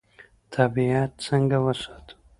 طبیعت څنګه وساتو؟